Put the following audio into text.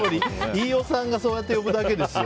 飯尾さんがそうやって呼ぶだけですよ。